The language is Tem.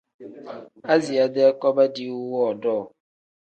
Aziya-dee koba diiwu woodoo.